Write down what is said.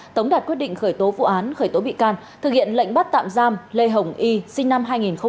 tống đạt quyết định khởi tố vụ án khởi tố bị can thực hiện lệnh bắt tạm giam lê hồng y sinh năm hai nghìn